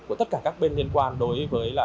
của tất cả các bên liên quan đối với